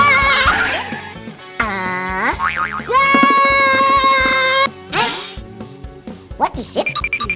maybe mak ada pack beep